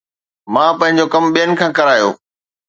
مان پنهنجو ڪم ٻين کان ڪرايو